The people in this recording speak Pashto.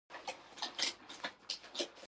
اړین دي